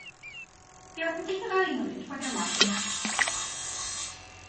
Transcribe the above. They were particularly noted for their lively masks.